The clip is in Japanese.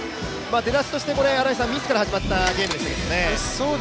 出だしとしてミスから始まったゲームでしたけどね。